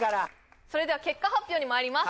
それでは結果発表にまいります